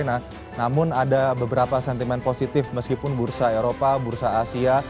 invasi rusia ke ukraina namun ada beberapa sentimen positif meskipun bursa eropa bursa asia